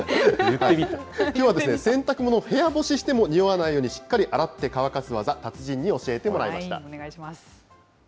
きょうは洗濯物、部屋干ししても臭わないように、しっかり洗って乾かす技、達人に教えてもらいました。